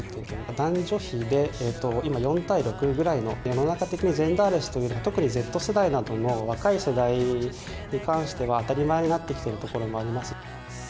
男女比で今、４対６という、世の中的にはジェンダーレスというのは特にＺ世代などの若い世代に関しては、当たり前になってきているところもあります。